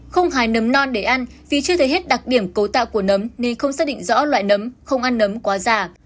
không hài nấm non để ăn vì chưa thấy hết đặc điểm cấu tạo của nấm nên không xác định rõ loại nấm không ăn nấm quá già